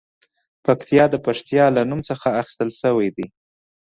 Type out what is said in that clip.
پکتیا د پښتیا له نوم څخه اخیستل شوې ده